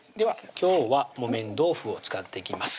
今日は木綿豆腐を使っていきます